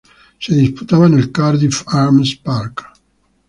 Se disputaba en el Cardiff Arms Park.